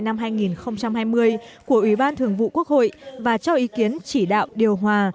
năm hai nghìn hai mươi của ủy ban thường vụ quốc hội và cho ý kiến chỉ đạo điều hòa